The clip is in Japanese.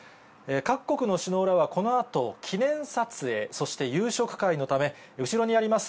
各国の首脳らはこのあと、記念撮影、そして夕食会のため、後ろにあります